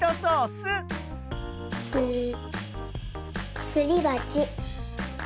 スすりばち。